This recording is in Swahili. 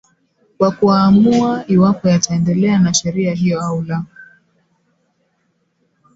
wa kuamua iwapo yataendelea na sheria hiyo au la